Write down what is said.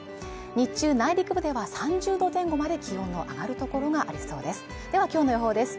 日中内陸部では３０度前後まで気温の上がる所がありそうです